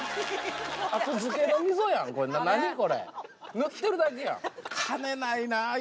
塗ってるだけやん。